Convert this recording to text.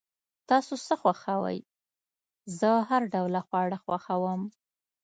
تاسو څه خوښوئ؟ زه هر ډوله خواړه خوښوم